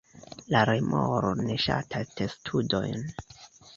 La remoro ne ŝatas testudojn.